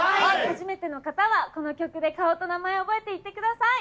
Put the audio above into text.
初めての方はこの曲で顔と名前を覚えていってください